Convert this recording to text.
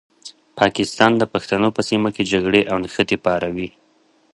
پاکستان د پښتنو په سیمه کې جګړې او نښتې پاروي.